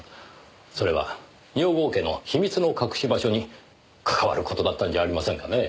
それは二百郷家の秘密の隠し場所にかかわる事だったんじゃありませんかねぇ。